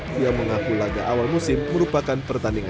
fia mengaku laga awal musim merupakan pertandingan